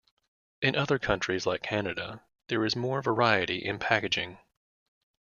In other countries, like Canada, there is more variety in packaging.